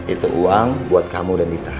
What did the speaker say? itu uang buat kamu dan dita